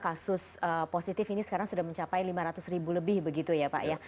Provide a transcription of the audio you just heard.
kasus positif ini sekarang sudah mencapai lima ratus ribu lebih begitu ya pak ya